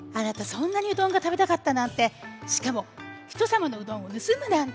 そんなにうどんがたべたかったなんてしかもひとさまのうどんをぬすむなんて！